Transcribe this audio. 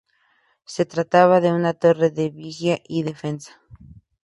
Se trataba de una torre de vigía y defensa.